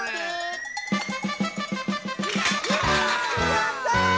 やった！